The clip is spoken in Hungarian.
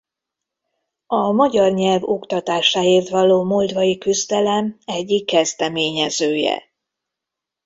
A magyar nyelv oktatásáért való moldvai küzdelem egyik kezdeményezője.